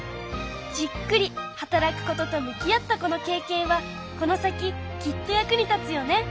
じっくり働くことと向き合ったこの経験はこの先きっと役に立つよね。